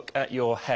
はい。